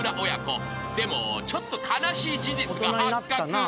［でもちょっと悲しい事実が発覚］